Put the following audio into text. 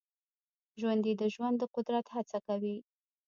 ژوندي د ژوند د قدر هڅه کوي